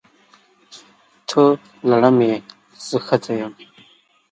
ته لړم یې! زه ښځه یم.